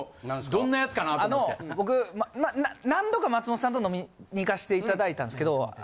あなるほどね。あの僕何度か松本さんと飲みに行かしていただいたんですけど。